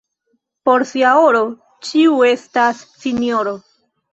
Por sia oro ĉiu estas sinjoro.